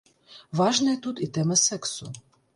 Важная тут і тэма сэксу.